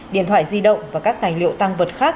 điện thoại di động và các tài liệu tăng vật khác